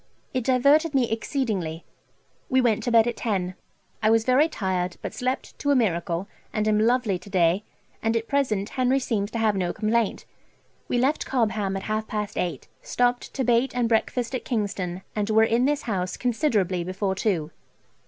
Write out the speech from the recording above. It diverted me exceedingly. We went to bed at ten. I was very tired, but slept to a miracle, and am lovely to day, and at present Henry seems to have no complaint. We left Cobham at half past eight, stopped to bait and breakfast at Kingston, and were in this house considerably before two.